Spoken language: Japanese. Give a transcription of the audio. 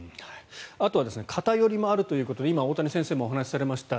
あとは偏りもあるということで今、大谷先生もお話しされました